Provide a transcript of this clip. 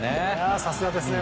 さすがですね。